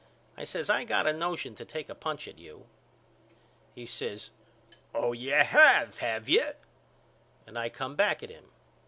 I says I got a notion to take a punch at you. He says Oh you have have you? And I come back at him.